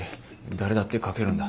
誰だって書けるんだ。